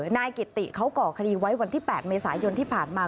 นายกิติเขาก่อคดีไว้วันที่๘เมษายนที่ผ่านมา